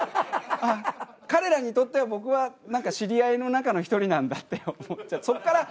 あっ彼らにとっては僕は何か知り合いの中の１人なんだって思っちゃって。